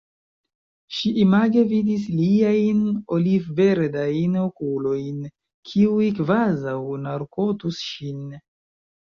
Ŝi image vidis liajn olivverdajn okulojn, kiuj kvazaŭ narkotus ŝin.